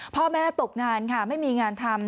พ่อแม่ตกงานค่ะไม่มีงานทำ